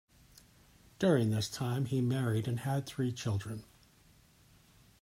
During this time he married and had three children.